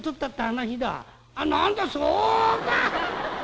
「何だそうか。